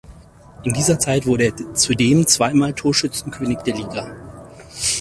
In dieser Zeit wurde er zudem zweimal Torschützenkönig der Liga.